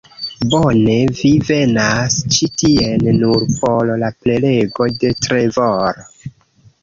Bone, vi venas ĉi tien nur por la prelego de Trevor